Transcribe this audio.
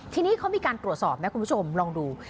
ทีนี้เขามีการตรวจสอบนะคุณผู้ชมลองดู